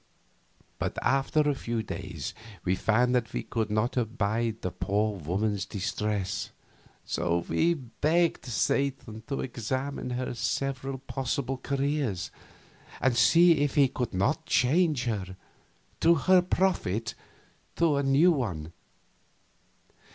But after a few days we found that we could not abide that poor woman's distress, so we begged Satan to examine her several possible careers, and see if he could not change her, to her profit, to a new one.